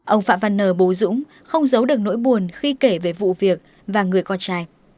ông phạm văn nờ bố dũng không giấu được nỗi buồn khi kể về vụ việc và người con trai